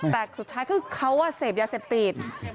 แต่สุดท้ายคือเขาเสพยาเสพติด